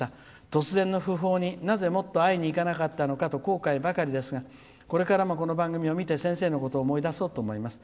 突然の訃報になぜ、もっと会いに行かなかったのかと後悔ばかりですがこれからも、この番組を見て先生のことを思い出そうと思います。